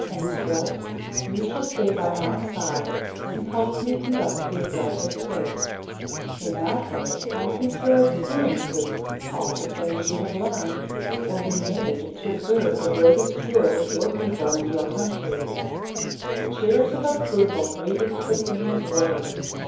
Henceforth you shall stay by my side and help me conduct the affairs of state. In that way, I think, your experiences, all the things you have learned, will be made to serve the greatest good of your people and your country." Cheers of approval greeted the queen's words.